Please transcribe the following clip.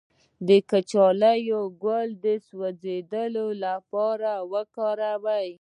د کچالو ګل د سوځیدو لپاره وکاروئ